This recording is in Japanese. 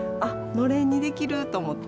のれんにできると思って。